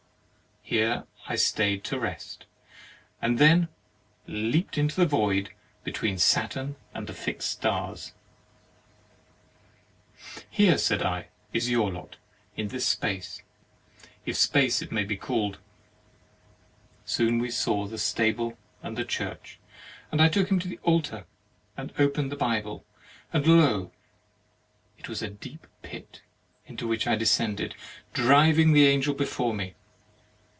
Here I stayed to rest, and then leaped into the void between Saturn and the fixed stars. 35 THE MARRIAGE OF "Here," said I, "is your lot; in this space, if space it may be called." Soon we saw the stable and the church, and I took him to the altar and opened the Bible, and lo! it was a deep pit, into which I descended, driving the Angel before me.